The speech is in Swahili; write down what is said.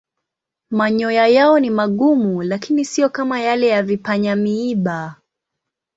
Manyoya yao ni magumu lakini siyo kama yale ya vipanya-miiba.